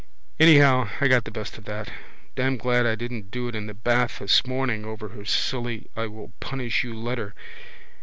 Anyhow I got the best of that. Damned glad I didn't do it in the bath this morning over her silly I will punish you letter.